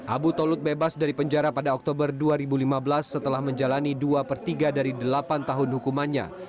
abu tolut bebas dari penjara pada oktober dua ribu lima belas setelah menjalani dua per tiga dari delapan tahun hukumannya